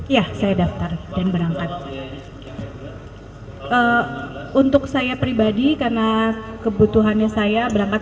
ya saya daftar dan berangkat untuk saya pribadi karena kebutuhannya saya berangkat